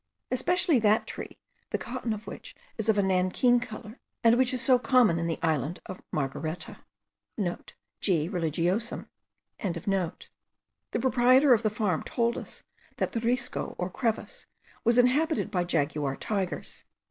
especially that tree, the cotton of which is of a nankeen colour, and which is so common in the island of Margareta.* (* G. religiosum.) The proprietor of the farm told us that the Risco or crevice was inhabited by jaguar tigers.